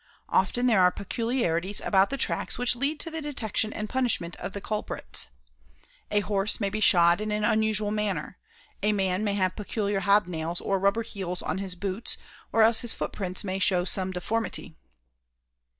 Often there are peculiarities about the tracks which lead to the detection and punishment of the culprits. A horse may be shod in an unusual manner; a man may have peculiar hob nails or rubber heels on his boots or else his footprints may show some deformity.